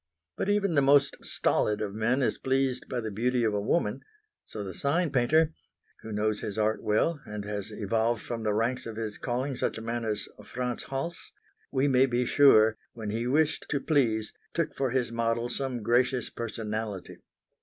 But even the most stolid of men is pleased by the beauty of a woman; so the sign painter who knows his art well, and has evolved from the ranks of his calling such a man as Franz Hals we may be sure, when he wished to please, took for his model some gracious personality.